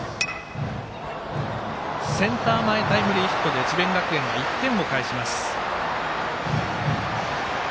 センター前タイムリーヒットで智弁学園は１点を返します。